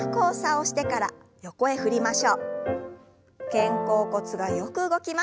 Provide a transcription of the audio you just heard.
肩甲骨がよく動きます。